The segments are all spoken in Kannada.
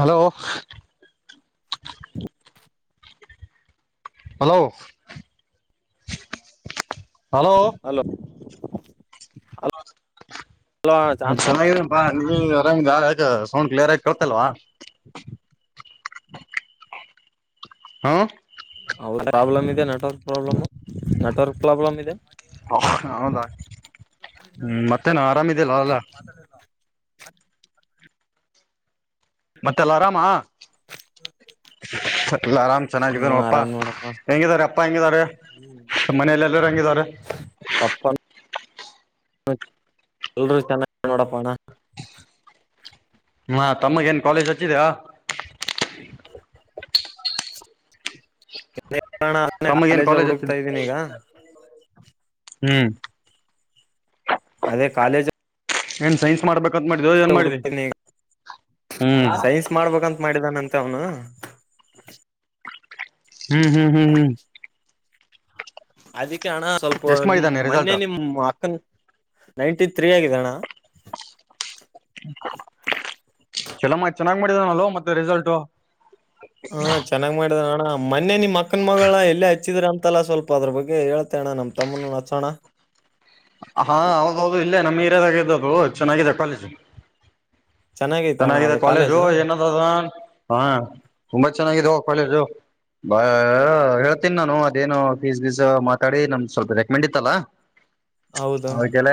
Hello [inaudible] hello hello hello. Hello ಅ ಚನ್ನಾಗಿ ಬಾ. ಆರಾಮಕ ಸೌಂಡ್ ಕ್ಲಿಯರ್ ಆಗಿ ಕಳ್ತಲ್ವಾ. ಹ್ಮ. ಹೌದ ಪ್ರಾಬ್ಲಮ್ ಇದೆ ನಟೋರು. ನಟರ್ ಕ್ಲಬ್. ಹ ಹೌದಾ ಹ್ಮ್ ಮತ್ತೆ ನಾ ಆರಾಮಿದಲ್ಲ ಅಲ್ಲ. [unintelligible] ಮತ್ತೆಲ್ಲ ಆರಾಮ. ಲ್ಲ ಆರಾಮ್ ಹಾ ಚೆನ್ನಾಗಿದ ನೋಡಪ್ಪಾ ಆರಾಮ್ ನೋಡಪ್ಪ ಹೆಂಗಿದಿದ್ದಾರೆ ಅಪ್ಪಾ ಹೆಂಗಿದಿದ್ದಾರೆ. ಮನೆಯಲೆ ಎಲ್ಲೂ ಹಂಗಿದವಿದ್ದಾರೆ. ಎಲ್ರೂ ಚೆನ್ನಾಗ ನೋಡಪ್ಪಣ್ಣ. ಹಾ ತಮ್ಮಗ ಏನ್ ಕಾಲೇಜ್ ಹಚ್ಚಿದಯ. ಅ ತಮ್ಮಗ ಏನ್ ಕಾಲೇಜ ಕಾಲೇಜ್ ಹುಡುಕ್ತಾ ಹಚ್ಚಿದ ಇದ್ದೀನಿ ಈಗ. ಹ್ಮ್. ಕಾಲೇಜ್. ಏನ್ ಸೈನ್ಸ್ ಮಾಡ್ಬೇಕು. ಹುಡುಕ್ತೇನಿ ಹ್ಮ್ ಸೈನ್ಸ್ ಮಾಡ್ಬೇಕಂತ ಮಾಡಿದಾನಂತ. ತ್ತನ. ಹ್ಮ್ ಹ್ಮ್ ಹ್ಮ್ ಹ್ಮ್. ಅದಿಕ್ಕೆ ಹಣ ಸ್ವಲ್ಪ ಎಷ್ಟ್ ನಿ ಮಾಡಿದ್ದಾನೆ ರಿಸಲ್ಟ್ ಮೊನ್ನೆ ನಿಮ್ ಅಕ್ಕನ್. ನೈಂಟಿ ಥತ್ರೀ ಆಗಿದ್ದಣ್ಣ. ಮಾಡಿದನ ಮತ್ತೆ ರಿಸಲ್ಟ್. ಹಾ ಚೆನ್ನಾಗ್ ಮಾಡಿದ ನಣ. ಮೊನ್ನೆ ನಿಮಮ್ಮ ಮಕ್ಕನ್ ಮಗಳ ಎಲ್ಲೇ ಹಚ್ಚಿದ್ರ ಅಂತಲ್ಲ ಸ್ವಲ್ಪ ಅದ್ರ ಬಗ್ಗೆ ಹೇಳ್ತೇಣ್ಣ ನಮ್ ತಮ್ಮನ ನಚ್ಚೋಣ. ಹಾ ಹೌದೌದು ಇಲ್ಲೇ ನಮ್ಮ್ ಹೀರಯದಾಗ ಇದ್ದ್ದದು ಚೆನ್ನಾಗಿದೆ ಕಾಲೇಜು. ಚೆನ್ನಾಗೈತ ಅಣ್ಣ ಚೆನ್ನಾಗಿದೆ ಅದು ಕಾಲೇಜು ಏನಂದ ಹ ತುಂಬಾ ಚೆನ್ನಾಗಿದೆ ಕಾಲೇಜು. ಬಾ ಹೇಳ್ತೀನಿ ನಾನು ಅದೇನು ಸ್ ಬೀಸ್ ಮಾತಾಡಿ ನಮ ಸ್ವಲ್ಪ ರೆಕಮೆಂಡ್ ಇತ್ತಲ್ಲ. ಹೌದು ಅವಕ್ಕೆಲ್ಲ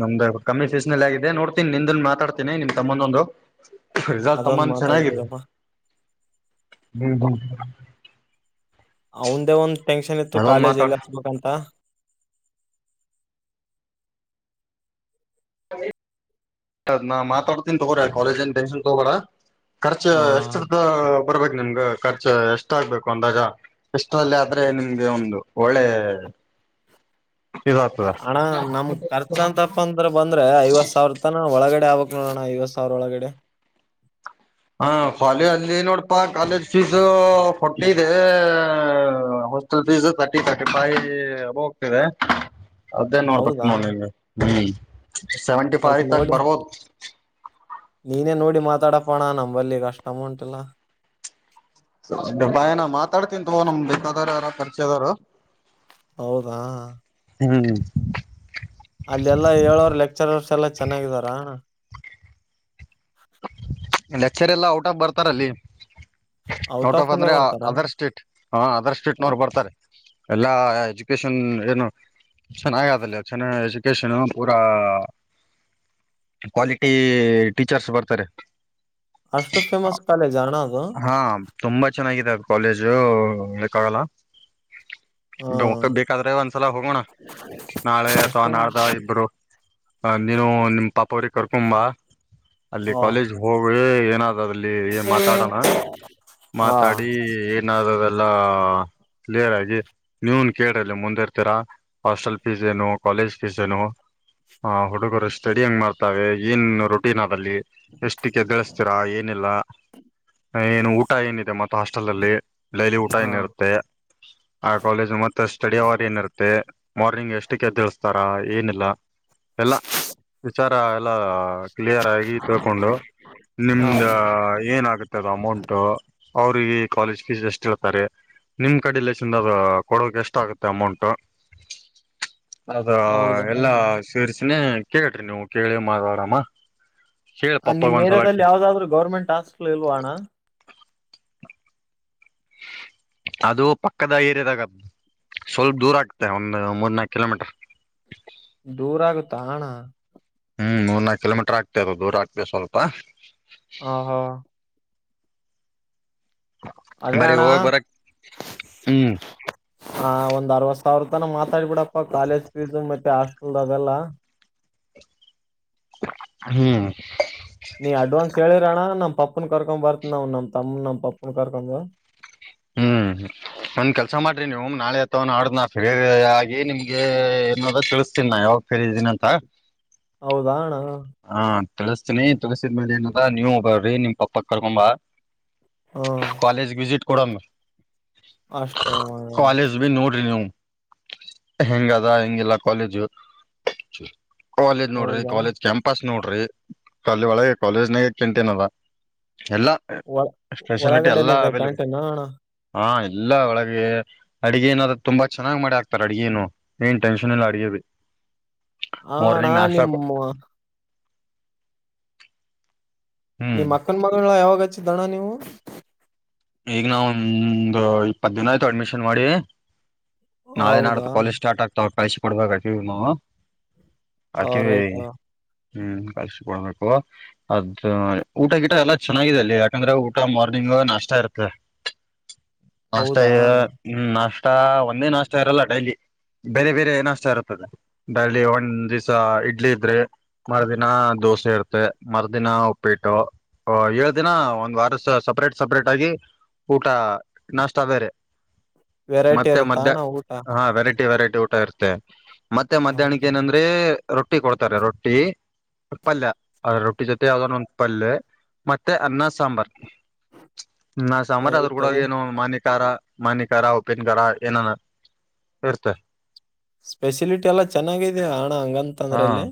ನಮ್ದು ಕಮ್ಮಿ ಫೀಸ್ ನಲ್ಲಿ ಆಗಿದೆ ನೋಡ್ತೀನಿ ನಿಂದನ್ ಮಾತಾಡ್ತೀನಿ ನಿಮ. ತಮ್ಮಂದೊಂದು ರಿಸಾಟ್ ಅದೊಂದ್ ತಮ್ಮನ್ ಚೆನ್ನಾಗಿದೆ. ಮಾತಾಡ್ಬಿಡಪ್ಪ ಬ. ಅವಂದೇ ಒಂದ್ ಟೆನ್ಕ್ಷನ್ ಇತ್ತು ಕಾಲೇಜ್ ಎಲ್ಲಿಸ್ಬೇಕಂತ. ನಾ ಮಾತಾಡ್ತೀನಿ ತಗೋರ ಕಾಲೇಜ ನ್ಷನ್ ತಗೋಳ. ಖರ್ಚ ಆ ಎಷ್ಟುದ. ಬರ್ಬೇಕು ನಿಮ್ಗ ಖರ್ಚು ಎಷ್ಟಾಗಗ್ಬೇಕು ಒಂದಾಜ ಎಷ್ಟಲ್ಲಿ ಆದ್ರೆ ನಿಮ್ಗೆ ಒಂದು ಒಳ್ಳೆ. [unintelligible] ಇದಾಗ್ತದ ಹಣ ನಮ್ ಖರ್ಚ ಅಂತಪ್ಪ ಅಂದ್ರ ಬಂದ್ರೆ ಐವತ್ ಸಾವಿರ ತನ ಒಳಗಡೆ. ಕಡೆ ಆಗ್ಬೇಕ್ ನೋಡಣ ಇವತ್ ಸಾವ್ರ ಒಳಗಡೆ. ಹ ಕಾಲಜ ಅಲ್ಲಿ ನೋಡಪಾ ಕಾಲೇಜ್ ಫೀಸ್ ಕೊಟ್ಟಿದೆ ಹೋಸ್ಟಲ್ ಫೀಸ್ ತರ್ಟಿ ರ್ಟಿ ಫೈ ಅಬೋಗ್ತದೆ. ಅದೇ ನೋಡ್ಬೇಕ ಹೌದಾ? ನೋಡಿ ನಿ ಹ್ಮ್ ಸೆವೆಂಟಿ ಫೈ ಸ್ವಲ್ಪ ತಕ್ ನೋಡಿ ಬರ್ಬೋದು. ನೀನೇ ನೋಡಿ ಮಾತಾಡಪೋಣ ನಂಬಲ್ಲಿ ಈಗ ಅಷ್ಟ್ ಅಮೌಂಟಿಲ. ಬನ ಮಾತಾಡ್ತನ್ ತಗೋ ನಮ ಬೇಕಾದಾರ ಯಾರ ಪರ್ಚೈದೋರು. ಹೌದಾ ಹ್ಮ್ ಅಲ್ಲೆಲ್ಲಾ ಹೇಳೋರ್ ಲೆಕ್ಚರ್ರ್ಸ್ ಎಲ್ಲಾ ಚೆನ್ನಾಗಿದಾರ ಅಣ. [unintelligible] ಲೆಕ್ಚರ್ ಎಲ್ಲಾ ಔಟ್ ಆಫ್ ಬರ್ತಾರಲ್ಲಿ. ಔಟ್ ಆಫ್ ಅಂದ್ರೆ ಅದರ್ ಸ್ಟೇಟ್ ಹ ಅದರ್ ಅ ಸ್ಟೇಟ್ನವರು ಬರ್ತರೆ. ಎಲ್ಲಾ ಎಜುಕೇಶನ್ ಏನು ಚೆನ್ನಾಗದಲ್ಲಿ ಚೆನ್ನ ಎಜುಕೇಶನು ಪೂರಾ ಕ್ವಾಲಿಟಿ ಟೀಚರ್ಸ್ ಬರ್ತಾರೆ. ಅಷ್ಟು ಫೇಮಸ್ [unintelligible] ಕಾಲೇಜಾ ಅಣ್ಣ ಅದು? ಹಾ ತುಂಬಾ ಚೆನ್ನಾಗಿದ್ದಾರೆ. ಕಾಲೇಜುಕ್ಕಾಗಲ್ಲ ಹಾ [unintelligible] ಬೇಕಾದ್ರೆ ಒಂದ್ಸಲ ಹೋಗೋಣ ನಾಳೆ ಅತ್ವ ಅಷ್ಟು. ನಾಡ್ದ ಇಬ್ರು ಅ ನೀನು ನಿಮ ಪಾಪ ಅವ್ರಿಗೆ ಕರ್ಕೊಂಬ ಅಲ್ಲಿ ಹಾ ಕಾಲೇಜ್ ಹೋಗ ಏನಾ ದಲ್ಲಿ ಏನ್ ಮಾತಾಡೋಣ [unintelligible] ಹಾ ಮಾತಾಡಿ ಏನಾದದೆಲ್ಲ ಕ್ಲಿಯರ್ ಆಗಿ ನೀವನ್ ಕೇಳ್ರಿ ಮುಂದೆ ಇರ್ತೀರಾ ಹಾಸ್ಟೆಲ್ ಫೀಸ್ ಏನು ಕಾಲೇಜ್ ಫೀಸ್ ಏನು ಹ ಹುಡುಗರು ಸ್ಟಡಿ ಹಂಗ್ ಮಾಡ್ತಾವ ಏನ್ ರೋಟೀನ್ ಅದಲ್ಲಿ ಎಷ್ಟಿಕ್ಕೇ ಎದ್ದೇಳಿಸ್ತಿರ ಏನಿಲ್ಲ ಏನು ಊಟ ಏನಿದೆ ಮತ್ ಹಾಸ್ಟೆಲ್ ಅಲ್ಲಿ ಡೈಲಿ ಊಟ ಹಾ ಏನ ಇರುತ್ತೆ ಆ ಕಾಲೇಜ್ ಮತ್ತ ಸ್ಟಡಿ ಅವರ್ ಏನಿರುತ್ತೆ ಮಾರ್ನಿಂಗ್ ಎಷ್ಟಕ್ಕೆ ತಿಳಿಸತಾರ ಏನಿಲ್ಲ ಎಲ್ಲಾ [unintelligible] ವಿಚಾರ ಎಲ್ಲಾ ಕ್ಲಿಯರ್ ಆಗಿ ತಿಳ್ಕೊಂಡು ಹಾ ನಿಮ್ದ ಏನಾಗುತ್ತೆದ ಅಮೌಂಟು ಅವ್ರಿಗೆ ಕಾಲೇಜ್ ಫೀಸ್ ಎಷ್ಟ ಹೇಳ್ತಾರೆ ನಿಮ್ ಕಡಲಿಸಿಂದ್ ಕೊಡೋಕ್ ಎಷ್ಟ ಆಗುತ್ತೆ ಅಮೌಂಟು ಅದ ಹೌದಾ? ಎಲ್ಲಾ ಸೇರ್ಸಿನೆ ಕೇಳ್ರಿ ನೀವು ಕೇಳಿ ಮಾತಾಡಮ ಅದ್ ನಿಮ್ ಏರ್ಯಾದದಲ್ಲಿ ಯಾವ್ದಾದ್ರು ಗೌರ್ಮೆಂಟ್ ಹಾಸ್ಪಿಟ್ಲ್ ಇಲ್ವಣ [inaudible] ಅದು ಪಕ್ಕದ ಏರಿಯಾದಗ ಸ್ವಲ್ಪ ದೂರ ಆಗ್ತ ಒಂದು ಮೂರ್ನಾಲ್ಕು ಕಿಲೋಮೀಟರ್. ದೂರ ಆಗುತ್ತ ಅಣ. ಹ್ಮ್ ಮೂರ್ ನಾಲ್ಕ ಕಿಲೋಮೀಟರ್ ಆಗ್ತ ಇದು ದೂರ ಆಗ್ಬೇಕ ಸ್ವಲ್ಪ ಆ ಹಾ ಅದೇ ಬರಿ ಅಣ್ಣ ಹೊಗಕ್ ಬರಕ್ [unintelligible] ಹ್ಮ್ ಹ ಒಂದ್ ಅರವತ್ ಸಾವಿರ ತನ ಮಾತಾಡ್ಬಿಡಪ್ಪ ಕಾಲೇಜ್ ಫೀಸ್ ಮತ್ತೆ ಹಾಸ್ಟೆಲ್ ಅದೆಲ್ಲಾ ಹ್ಮ್ ನೀ ಅಡ್ವಾನ್ಸ್ ಹೇಳಿರಣ್ಣ ನಮ್ಮ ಪಪ್ಪನ್ ಕರ್ಕೊಂಡ್ ಬರ್ತನ ನಮ್ಮ ತಮ್ಮ ನಮ್ಮ ಪಪ್ಪನ್ ಕರ್ಕೊಂಡ. ಹ್ಮ್ ಹ್ಮ ಒಂದ್ ಕೆಲಸ ಮಾಡ್ರಿ ನೀವು ನಾಳೆ ಅತ್ವ ನಾಡುದ್ನ ನಾ ಫ್ರೀ ಆಗಿ ನಿಮ್ಗೆ ತಿಳಿಸ ತಿನ್ ಯಾವಾಗ ಫ್ರೀ ಇದ್ದೀನಅಂತ. ಹೌದಾಣ ಹಾ ತಿಳಸ್ತೀನಿ ತಿಳಸಿದ್ಮೇಲೆ ಏನದ ನೀವ ಬರ್ರಿ ನಿಮ್ ಪಪ್ಪ ಕರ್ಕೊಂಬ ಹ್ಮ್ [unintelligible] ಕಾಲೇಜ್ ವಿಸಿಟ್ ಕೊಡಂ. ಅಷ್ಟೇ ಹ [unintelligible] ಹೆಂಗ ಅದ ಹೆಂಗಿಲ್ಲ [unintelligible] ಕಾಲೇಜು ಕಾಲೇಜ್ ನೋಡ್ರಿ ಹೌದಾ ಕಾಲೇಜ್ ಪಸ್ ನೋಡ್ರಿ ಕಲ್ಲಿ ಒಳಗೆ ಕಾಲೇಜ್ನಾಗ ಕ್ಯಾಂಟಿನ್ ಅದ ಎಲ್ಲ ಒಳ ಸ್ಪೆಷಲಿಟಿ ಎಲ್ಲ ಒಳಗಡೆನೆ ಇದೆ ಅವೈಲಬಲ್ ಕ್ಯಾಂಟೀನ್ ಅಣ್ಣ ಹಾ ಇಲ್ಲ ಒಳಗೆ ಅಡಗೆನಾದ್ರ ತುಂಬಾ ಚೆನ್ನ್ ಮಾಡಿ ಆಾಕ್ತಾರೆ ಅಡ್ಗೆೇನು ಏನ್ ಟೆನ್ಷನ್ ಇಲ್ಲ ಅಡುಗೆ ಭ [inaudible] ಹಣ ನಿಮ್ಮ ಹ್ಮ್ ನಿಮ್ಮ ಅಕ್ಕನ ಮಗನ ಯಾವಾಗ ಹಚ್ಚಿದ್ದಣ್ಣ ನೀವು ಈಗ್ ನಾವ ಒಂದು ಇಪ್ಪತ್ ದಿನ ಆಯ್ತು ಅಡ್ಮಿಷನ್ ಮಾಡಿ ನಾಳೆ ಹೌದಾ ನಾಡತ ಕೋಲಿ ಸ್ಟಾರ್ಟ್ ಆಗ್ತಾವ ಕಳಸಿ ಕೊಡ್ಬೇಕತಿವಿ ನಾವು ಆ ಆಕಿವಿ ರೈಟಾ ಹ್ಮ್ ಕಳ್ಿಸಿಕೊಡ್ಬೇಕು ಅದ್ ಊಟ ಗಿಟ ಎಲ್ಲಾ ಚೆನ್ನಾಗಿದೆ ಅಲ್ಲಿ ಯಾಕಂದ್ರೆ ಊಟ ಮಾರ್ನಿಂಗ್ ನಾಷ್ಟ ಇರುತ್ತೆ ನಾಷ್ಟ್ಮ ಹೌದಾ ನಾಷ್ಟ ಮ ಒಂದೇ ನಾಷ್ಟ ಇರಲ್ಲ ಡೈಲಿ ಬೇರೆ ಬೇರೆ ನಾಷ್ಟ ಇರುತ್ತದೆ ಲ್ಲಿ ಒಂದ್ ದಿವ್ಸ ಇಡ್ಲಿ ಇದ್ರೆ ಮರು ದಿನ ದೋಸೆ ಎಡ್ತ ಮರುದಿನ ಉಪ್ಪಿಟ್ಟು ಓ ಏ ದಿನ ಒಂದ್ ವಾರ ಸಪ್ರೇಟ್ ಸಪ್ರೇಟ್ ಆಗಿ ಊಟ ನಷ್ಟ ಬೇರೆ ವೆರೈಟಿ ಮತ್ತೆ ಇರುತ್ತಾ ಮಧ್ಯ ಅಣ್ಣ ಊಟ ಹಾ ವೆರೈಟಿ ವೆರೈಟಿ ಊಟ ಇರುತ್ತೆ ಮತ್ತೆ ಮಧ್ಯಾಹ್ನಕ್ಕೆ ಹೌದಾ ಏನಂದ್ರೆ ರೊಟ್ಟಿ ಕೊಡ್ತಾರೆ ರೊಟ್ಟಿ ಪಲ್ಯ ಅದ ರೊಟ್ಟಿ ಜೊತೆ ಯಾವ್ದ್ರ ಒಂದು್ ಪಲ್ಯ ಮತ್ತೆ ಅನ್ನ ಸಾಂಬಾರ್ ನ ಹ್ಮ್, ಸಮರ್ ಅ ಆದ್ರ ಕೂಡಗ ಇಷ್ಟೆಲ್ಲ ಏನು ಮನೆ ಮಾನ್ಯಿಕರ ಉಪ್ಪಿನಕಾರರ ಏನಾನ ಇರ್ತ ಸ್ಪೆಷಿಲಿಟಿ ಎಲ್ಲ ಚೆನ್ನಾಗಿದೆ ಅಣ್ಣ ಹಂಗಂತ ಹಾ ಅಂದ್ರಲ್ಲಿ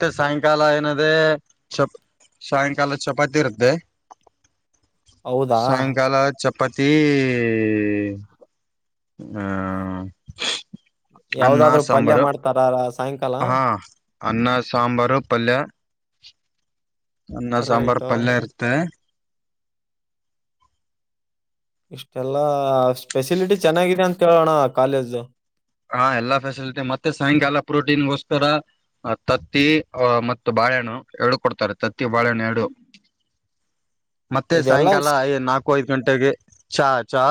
ಮತ್ತೆ ಸಾಯಂಕಾಲ ಏನದೇ ಚ ಸಾಯಂಕಾಲ ಚಪಾತಿ ಇರುತ್ತೆ ಹೌದಾ ಸಾಯಂಕಾಲ ಚಪಾತಿ ಹ್ಮ್ ಯಾವ್ದಾದ್ರು ಪಲ್ಯ ಮಾಡ್ತಾರಾರ ಸಾಯಂಕಾಲ ಹಾ ಅನ್ನ ಸಾಂಬಾರು ಪಲ್ಯ ಅನ್ನ ಸಾಂಬಾರ್ು ರೈಟ್ ಪಲ್ಯ ಇರುತ್ತೆ ಇಷ್ಟೆಲ್ಲಾ ಫೆಸಿಲಿಟಿ ಚೆನ್ನಾಗಿದೆ ಅಂತ ಕೇಳೋಣ ಕಾಲೇಜು ಹಾ ಎಲ್ಲಾ ಫ್ಯಸಿಲಿಟಿ ಮತ್ತೆ ಸಾಯಂಕಾಲ ಪ್ರೋಟೀನ್ಗೋಸ್ಕರ ತತ್ತಿ ಅ ಮತ್ತು ಬಾಳಹಣ್ಣು ಎರಡು ಕೊಡ್ತಾರೆ ತತ್ತಿ ಬಾಳೆಹಣ್ಣ ಎರಡು ಮತ್ತೆ ಇದೆಲ್ಲ ಸಾಯಂಕಾಲ ಸಿ- ಐ ನಾಲ್ಕು ಐದು ಗಂಟೆಗೆ ಚಾ ಚಾ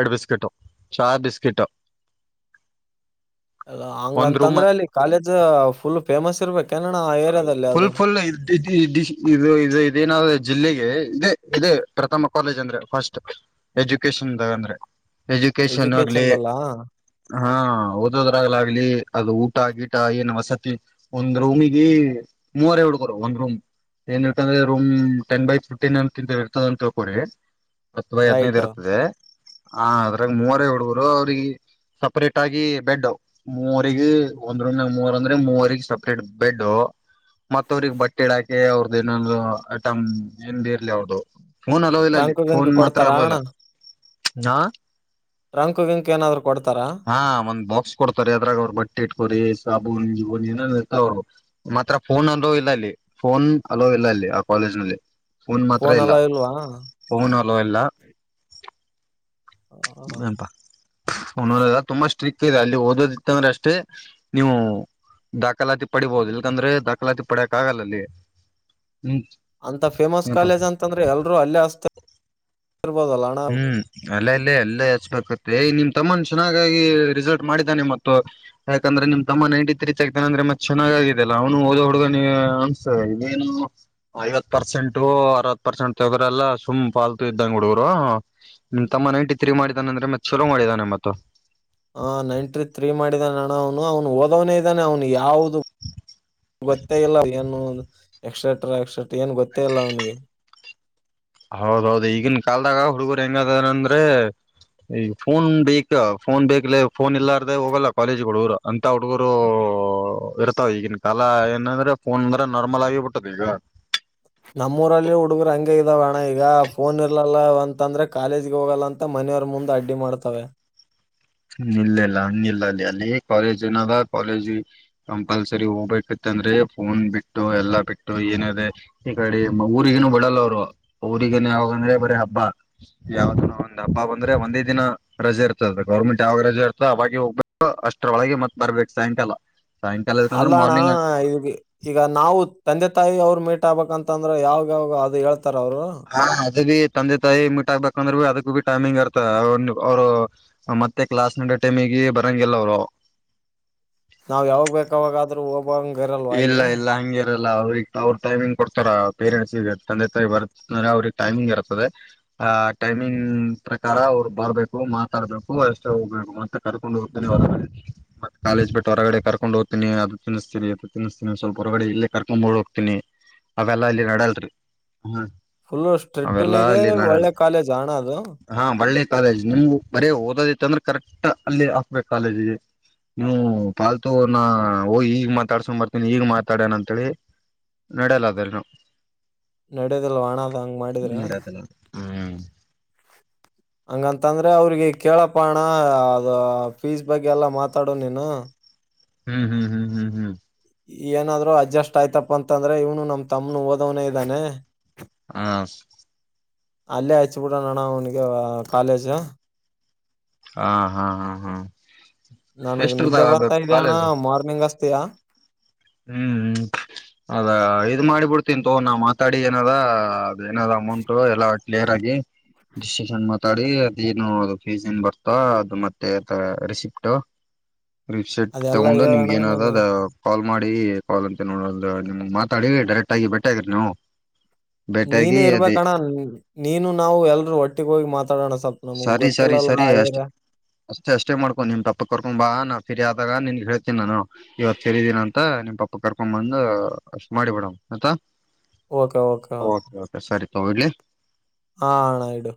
ಎರಡು ಬಿಸ್ಕಟು ಚಾ ಬಿಸ್ಕಿಟ ಅಲ್ಲ ರೂಮ್ ಹಂಗಂತಂದ್ರೆ ಅಲ್ಲಿ ಕಾಲೇಜ್ ಫುಲ್ ಫೇಮಸ್ ಇರ್ಬೇಕು ಫುಲ್ ಫುಲ್ ಇದು ಇದು ಇದೇನಾದ ಜಿಲ್ಲೆಗೆ ಇದೇ ಇದೇ ಪ್ರಥಮ ಕಾಲೇಜ್ ಅಂದ್ರೆ ಫಸ್ಟ್ ಎಜುಕೇಶನ್ಾಗ ಅಂದ್ರೆ ಎಜುಕೇಶನ್ ಆಗ್ಲಿ ಎಜುಕೇಶನ್ದಲ್ಲ ಹಾ ಓದೋದ್ರಾಗ್ಲ ಆಗ್ಲಿ ಅದು ಗಟ ಗಿಟ ಏನು ವಸತಿ ಒಂದ್ ರೂಮಿಗೆ ಮೂವರ ಹುಡುಗರು ಒಂದ್ ರೂಮ್ ಏನ್ ಇರ್ತಂದ್ರೆ ರೂಮ್ ಟೆನ್ ಬೈ ಫಿಫ್ಟೀನ್ ಅಂತ ತಿಂತ ಇರ್ತದ ಅಂತ ಕೇಳ್ಕೋ್ರಿ ಹತ್ತು ಬೈ ಹದ್ನೈದ್ ರೈಟ್ ಇರ್ತದೆ ಆ ಅದ್ರಾಗ ಮೂವರ ಹುಡುಗರು ಅವ್ರಿಗೆ ಸಪ್ರೇಟ್ ಆಗಿ ಬೆಡ್ ಮೂವರಿಗೆ ಒಂದ್ ರೂಮ್ ಮೂರ್ ಅಂದ್ರೆ ಮೂವರಿಗೆ ಸಪ್ರೇಟ್ ಬೆಡ್ಡು ಮತ್ತ ಅವ್ರಿಗೆ ಬಟ್ಟೆ ಇಡಾಕಿ ಅವ್ರ್ದ ಏನ ಐಟಮ್ ಏನ್ ಬೀ ಇರ್ಲಿ ಅವ್ರದು ಫೋನ್ ಅಲ್ಲೋ ಇಲ್ಲ ಅಲ್ಲಿ ಟ್ರಂಕ್ ಗಿಂಕ್ ಫೋನ್ ಮಾತ್ರ ಕೊಡ್ತಾರಾ ಅಲ್ಲೋ ಇಲ್ಲ ಅಣ್ಣ ಹ ಟ್ರಂಕ್ ಗಿಂಕ್ ಏನಾದ್ರು ಕೊಡ್ತಾರಾ ಹಾ ಒಂದ್ ಬಾಕ್ಸ್ ಕೊಡ್ತರಿ ಅದ್ರಾಗ ಅವರು ಬಟ್ಟೆ ಇಟ್ಕೊರಿಿ ಸಾಬೂ ನಿ ಜನ್ ಏನ ಇರ್ತಾವ್ರು ಮಾತ್ರ ಫೋನ್ ಅಲ್ಲೋ ಇಲ್ಲ ಅಲ್ಲಿ ಫೋನ್ ಅಲ್ಲೋ ಇಲ್ಲ ಅಲ್ಲಿ ಆ ಕಾಲೇಜ್ ನಲ್ಲಿ ಫೋನ್ ಮಾತ್ರ ಇಲ್ಲ ಎಲ್ಲ ಇಲ್ವಾ ಫೋನ್ ಅಲ ಎಲ್ಲ ಆ, ಪಾ ತುಂಬಾ ಸ್ಟ್ರಿಕ್ ತ ಅಲ್ಲಿ ಓದೋದಿತ್ತಂದ್ರೆ ಅಷ್ಟೇ ನೀವು ದಾಖಲಾತಿ ಪಡಿಬಹುದು ಇಲ್ಕಂದ್ರೆ ದಾಖಲಾತಿ ಪಡಿಯಕ್ ಆಗಲ್ಲ ಅಲ್ಲಿ ಹ್ಮ್ ಅಂತ ಫೇಮಸ್ ಏನಪಾ ಕಾಲೇಜ್ ಅಂತಂದ್ರೆ ಎಲ್ರು ಅಲ್ಲೇ ಅ [unintelligible] ಇರ್ಬೋದಲ್ಲ ಅಣ್ಣ ಅಲ್ಲ ಇಲ್ಲೇ ಎಲ್ಲೇ ಹಚ್ಬೇಕೆ ನಿಮ್ ತಮ್ಮನ್ ಚೆನ್ನಾಗಾಗಿ ರಿಸಲ್ಟ್ ಮಾಡಿದಾನೆ ಮತ್ತು ಯಾಕಂದ್ರೆ ನಿಮ್ ತಮ್ಮ ನೈನ್ಟಿ ತ್ರೀ ತೆಗ್ದನ ಅಂದ್ರೆ ಮತ್ತೆ ಚೆನ್ನಾಗಗಿದ ಅಲ್ಲ ಅವನು ಹಓದ ಹುಡುಗ ಅನ್ಸ್ತನು ಐವತ್ ಪರ್ಸೆಂಟು ಅರವತ್ ಪರ್ಸೆಂಟ್ ತಗ್ರಲ್ಲ ಸುಮ್ ಪಾಲ್ತು ಇದ್ದಂಗ್ ಹುಡುಗರು ನಿಮ್ ತಮ್ಮ ನೈನ್ಟಿ ತ್ರೀ ಮಾಡಿದಾನ ಅಂದ್ರೆ ಮತ್ತೆ ಚಲೋ ಮಾಡಿದಾನೆ ಮತ್ತ ಆ ನೈಂಟಿ ತ್ರೀ ಮಾಡಿದಾನ ಅಣ್ಣ ಅವನು ಅವನು ಓದವನೇ ಇದ್ದಾನೆ ಅವನು ಯಾವ್ದ [unintelligible] ಗೊತ್ತೇ ಇಲ್ಲ ಏನು ಎಕ್ಸ್ಟ್ರಾಟ್ರಾ ಎಕ್ಸ್ಟ್ರಾಟ್ರ ಏನ್ ಗೊತ್ತೇ ಇಲ್ಲ ಅವನಿಗೆ ಹೌದೌದು ಈಗನ್ ಕಾಲ್ದಾಗ ಹುಡ್ಗರು ಹೆಂಗದಾರಂದ್ರೆ ಈ ಫೋನ್ ಬೇಕ ಫೋನ್ ಬೇಕಲೆ ಫೋನ್ ಇಲ್ಲಾರ್ದೆ ಹೋಗಲ್ಲ ಕಾಲೇಜ್ಗ ಹುಡುಗ್ರು ಅಂತ ಹುಡ್ಗರು ಇರ್ತಾವ ಈಗಿನ ಕಾಲ ಏನಂದ್ರೆ ಫೋನ್ ಅಂದ್ರೆ ನಾರ್ಮಲ್ ಆಗಿಬಿಟ್ಟದ ಈಗ [unintelligible] ನಮ್ಮೂಊರಲ್ಲಿ ಹುಡುಗರು ಹಂಗ ಇದಾವ ಅಣ್ಣ ಈಗ ಫೋನ್ ಇರ್ಲಲ್ಲ ಅಂತಂದ್ರೆ ಕಾಲೇಜಗೆ ಹೋಗಲ್ಲ ಅಂತ ಮ ಮನೆಯವ್ರ ಮುಂದೆ ಅಡ್ಡಿ ಮಾಡ್ತವೆ [unintelligible] ನಿ ಇಲ್ಲಲ್ಲ ಇಲ್ಲ ಅಲ್ಲಿ ಅಲ್ಲಿ ಕಾಲೇಜ್ ಏನದ ಕಾಲೇಜ್ ಕಂಪಲ್ಸರಿ ಹೋಗ್ಬೇಕಿತ್ತ ಅಂದ್ರೆ ಫೋನ್ ಬಿಟ್ಟು ಎಲ್ಲಾ ಬಿಟ್ಟು ಏನ ಅದೆ ಈ ಕಡೆ ಊರಿಗನು ಬಿಡಲ್ಲ ಅವರು ಅವ್ರಿಗೆ ಈಗನ್ ಯಾವಾಗ ಅಂದ್ರೆ ಬರೀ ಹಬ್ಬ ಯಾವ್ದ ಒಂದ್ ಹಬ್ಬ ಬಂದ್ರೆ ಒಂದೇ ದಿನ ರಜೆ ಇರ್ತದ ಗೌರ್ಮೆಂಟ್ಾವಾಗ ಇರ್ತೋ ಅವಾಗ ಹೋಗ್ಬೇಕು ಅಷ್ಟ್ರೊಳಗೆ ಮತ್ ಬರ್ಬೇಕು ಸಾಯಂಕಾಲ ಸಾಯಂಕಾಲ ಯಾಕಂದ್ರೆ ಅಲ್ಲ ಅಣ್ಣ ಮಾರ್ನಿಂಗ್ ಈ ಈಗ ನಾವು ತಂದೆ ಿ ಅವ್ರು ಮೀಟ್ ಆಗ್ಬೇಕ್ ಅಂತಂದ್ರೆ ಯಾವಾಗ ಯಾವ ಅದು ಹೇಳ್ ಹಾ ಅದು [unintelligible] ತಂದೆ ತಾಯಿ ಮೀಟ್ ಹಾಕ್ಬೇಕಂದ್ರೆ ಅದಕ್ ಬಿ ಟೈಮಿಂಗ್ ಇರ್ತದ ಅವ್ರು ಮತ್ತೆ ಕ್ಲಾಸ್ ನಡೋ ಟೈಮ ಈ ಬರಂಗೆಲ್ಲ ಅವರು ನಾವ ಯಾವ್ ಬೇಕಾವಾಗಾದ್ರೂ ಹೋಗ್ಂಗ ಇರಲ್ವಾ ಅಲ್ಲಿ ಲ್ಲ ಅವ್ರಗ್ ಅವ್ರರು ಟೈಮಿಂಗ್ ಕೊಡ್ತಾರ ಪೇರೆಂಟ್ಸ್ಗ ತಂದೆ ತಾಯಿ ಬರ್್ರೆ ಅವ್ರಿಗೆ ಟೈಮಿಂಗ್ ಇರ್ತದೆ ಆ ಟೈಮಿಂಗ್ ಪ್ರಕಾರ ಅವ್ರು ಬರ್ಬೇಕು ಮಾತಾಡ್ಬೇಕು ಅಷ್ಟೇ ಹೋಗ್ಬೇಕು ಅಂತ ಕರ್ಕೊಂಡು ಹೋಗ್ತೇನಿ ಮತ್ತ ಕಾಲೇಜ್ ಬಿಟ್ಟು ಹೊರಗಡೆ ಕರ್ಕೊಂಡು ಹೋಗ್ತನಿ ಅದು ತಿನ್ನಿಸ್ತೀರಿ ಅದು ತಿನ್ಿಸ್ತೀನಿ ಸ್ವಲ್ಪ ಹೊರಗಡೆ ಇಲ್ಲೇ ಕರ್ಕೊಂಡ್ ಹೋಗ್ತೀನಿ ಅವೆಲ್ಲ ಇಲ್ಲಿ ನಡೆಯಲ್ರಿ ಹ್ಮ ಫುಲ್ಲು ಅವೆಲ್ಲ ಸ್ಟ್ರಿಕ್ಟುನು ಇದೆ ಇಲ್ಲಿ ನಡಲ್ಲ ಒಳ್ಳೆ ಕಾಲೇಜಾ ಅಣ್ಣ ಅದು? ಹಾ ಒಳ್ಳೆ ಕಾಲೇಜ್ ನಿಮ್ಗ ಬರೀ ಓದೋದಿತ್ತ ಅಂದ್ರೆ ಕರೆಕ್ಟ್ ಅಲ್ಲಿ ಹಾಕ್ಬೇಕು ಕಾಲೇಜಿಗೆ ನೀವು ಪಾಲ್ತುನ ಓ್ ಈಗ ಮಾತಾಡ್ಸೊಂಡ್ ಬರ್ತಿ ನೀನ್ ಈಗ್ ಮಾತಾಡ್ಯನ ಅಂತೇಲಿ ನ್ಯಾಡ್ಯಾಳ ಅದ್ರ ನಾ ನಡ್ಯದಲ್ ವ ಅಣ್ಣ ಹಂಗ ಮಾಡಿದ್ರೆ ನೂರದಲ್ಲ ಹ್ಮ್ ಹಂಗಂತಂದ್ರೆ ಅವ್ರಿಗೆ ಕೇಳಪಣ ಅದು ಫೀಸ್ ಬಗ್ಗೆ ಎಲ್ಲಾ ಮಾತಾಡು ನೀನು ಹ್ಮ್ ಹ್ಮ್ ಹ್ಮ್ ಹ್ಮ್ ಹ್ಮ್ ಏನಾದ್ರು ಅಡ್ಜಸ್ಟ್ ಆಯ್ತಪ್ಪ ಅಂತಂದ್ರೆ ಇವನು ನಮ್ ತಮ್ಮ್ನು ಓದವನೇ ಇದ್ದಾನೆ ಹ ಅಲ್ಲೇ ಆಯಚ್ ಬಿಿಡಣ್ಣ ಅವನಿಗೆ ಕಾಲೇಜ ಹಾ ಹಾ ಹಾ ಹಾ ನನ್ಗ್ ನಿದ್ದೆ ಎಷ್ಟರದಾಗ ಬರ್ತಾ ಆಗ್ಬೇಕು ಇದೆ ಅಣ್ಣ ಕಾಲೇಜ್ ಮಾರ್ನಿಂಗ್ ಅಚ್ತಿಯ ಹ್ಮ್ ಅದ ಇದ್ ಮಾಡಿಬಿಡ್ತೀನ್ ತೋ ನಾ್ ಮಾತಾಡಿ ಏನದ ಏನಾದ್ ಅಮೌಂಟ್ ಎಲ್ಲ ಕ್ಲಿಯರ್ ಆಗಿ ಡಿಸಷನ್ ಮಾತಾಡಿ ಅದೇನು ಅ ಫೀಸ್ ಏನ್ ಬರ್ತಾ ಅದು ಮತ್ತೆ ರಿಸಿಿಪ್ಟ ೆಟ್ ಅದೆಲ್ಲ ತಗೊಂಡ ನಿಮಗೆ ಹೇಳೋಣ ನನಗ ಏನಾದ್ ಕಾಲ್ ಮಾಡಿ ಕಾಲ್ ಅಂತ ನೋಡ ನಿಮ್ ಮಾತಾಡಿ ಡೈರೆಕ್ಟ್ ಆಗಿ ಬೆಟ್ಟೆ ಆಗ್ರಿ ನೀವು ನೀನು ಭೇಟಿಯಾಗಿ ಅದೇ ಇರ್ಬೇಕಣ್ಣ ನೀನು ನಾವು ಎಲ್ರುೂ ಒಟ್ಟಿಗ ಹೋಗಿ ಮಾತ್ರ ಸರಿ ಸರಿ ಸರಿ ಅಷ್ಟ ಅಷ್ಟೇ ಅಷ್ಟೇ ಮಾಡ್ಕೊಂಡು ನಿಮ ಪಪ್ಪ ಕರ್ಕೊಂಡ್ ಬಾ ಸರಿ ಆದಾಗ ನಿನ್ಗೆ ಹೇಳ್ತೀನಿ ನಾನು ಇವತ್ ಹೇಳಿದೀನಿ ಅಂತ ನಿನ್ ಪಪ್ಪ ಕರ್ಕೊಂಡ್ ಬಂದ ಮಾಡಿಬಿಡ ಆಯ್ತಾ ಓಕೆ ಕೆ ಸರಿ ತಗ ಇಡ್ಲಿ ಹ ಆಣ ಇಡು